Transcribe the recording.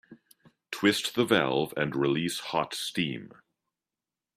Twist the valve and release hot steam.